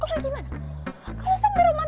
kalau kedengeran sama anak anak di sekolah gimana